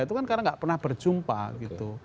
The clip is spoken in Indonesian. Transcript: itu kan karena nggak pernah berjumpa gitu